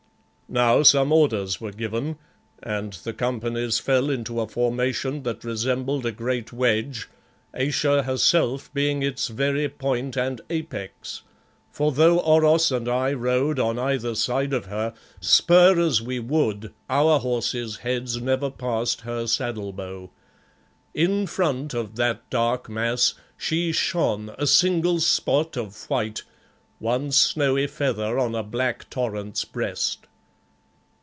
Now some orders were given, and the companies fell into a formation that resembled a great wedge, Ayesha herself being its very point and apex, for though Oros and I rode on either side of her, spur as we would, our horses' heads never passed her saddle bow. In front of that dark mass she shone a single spot of white one snowy feather on a black torrent's breast.